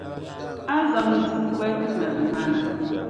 a ni zaŋ nudirigu gbali ti maligumaana.